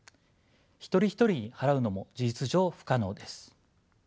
一人一人に払うのも事実上不可能です。